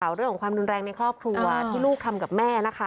เรื่องของความรุนแรงในครอบครัวที่ลูกทำกับแม่นะคะ